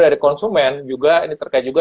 dari konsumen juga ini terkait juga